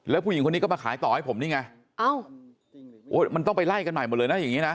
แล้วผู้หญิงคนนี้ก็มาขายต่อให้ผมนี่ไงเอ้ามันต้องไปไล่กันใหม่หมดเลยนะอย่างนี้นะ